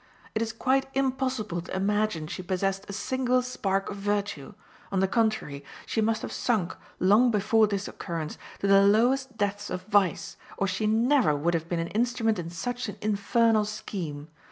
It is quite impossible to imagine she possessed a single spark of virtue; on the contrary, she must have sunk, long before this occurrence, to the lowest depths of vice, or she never would have been an instrument in such an infernal scheme.